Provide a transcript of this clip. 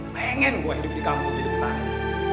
pengen gue hidup di kampung hidup petani